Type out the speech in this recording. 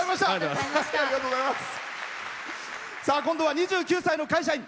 今度は２９歳の会社員。